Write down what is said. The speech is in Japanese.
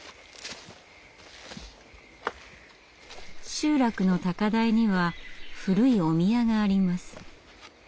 集落の高台には古いお宮があります。